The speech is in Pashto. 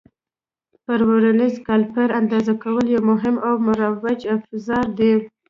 پر ورنیز کالیپر اندازه کول یو مهم او مروج افزار دی.